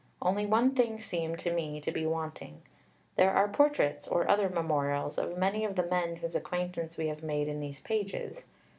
Only one thing seemed to me to be wanting. There are portraits or other memorials of many of the men whose acquaintance we have made in these pages.